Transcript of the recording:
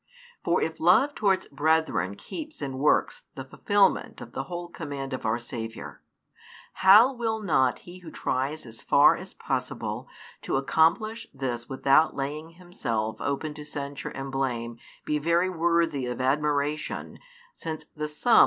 For if love towards brethren keeps and works the fulfilment of the whole command of our Saviour, how will not he who tries as far as possible to accomplish this without laying himself open to censure and blame be very worthy of admiration, since the sum.